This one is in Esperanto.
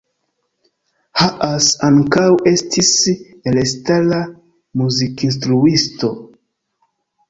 Haas ankaŭ estis elstara muzikinstruisto.